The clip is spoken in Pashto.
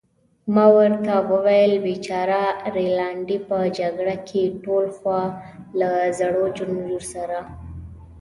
ما ورته وویل: بېچاره رینالډي، په جګړه کې ټول، خو له زړو نجونو سره.